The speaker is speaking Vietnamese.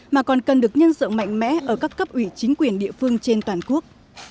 mà còn cần được nhân rộng mạnh mẽ ở các cấp ủy chính quyền địa phương trên toàn quốc